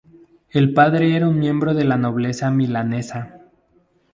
El padre era un miembro de la nobleza milanesa.